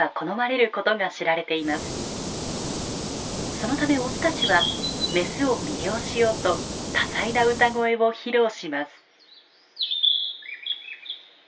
そのためオスたちはメスを魅了しようと多彩な歌声を披露します。